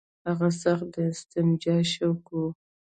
هغه سخت د استنجا شوقي وو.